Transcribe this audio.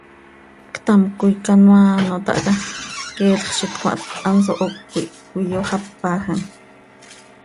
Ctamcö coi canoaa ano tahca, queelx z itcmaht, hanso hocö ih cöiyoxápajam.